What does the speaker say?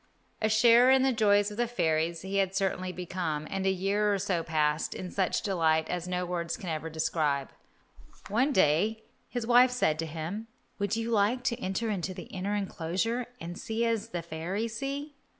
A sharer in the joys of the fairies he had actually become, and a year or so passed in such delight as no words can ever describe. One day his wife said to him, "Would you like to enter into the inner enclosure and see as the fairies see?"